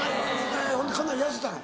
ほんでかなり痩せたの？